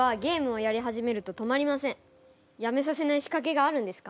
やめさせない仕掛けがあるんですか？